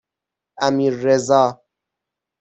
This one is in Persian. امیررضا